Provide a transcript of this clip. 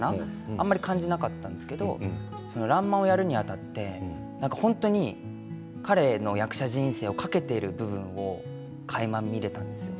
あんまり感じなかったんですけどその「らんまん」をやるにあたって何か本当に彼の役者人生を懸けてる部分をかいま見れたんですよ。